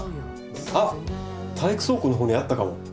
あっ体育倉庫のほうにあったかも。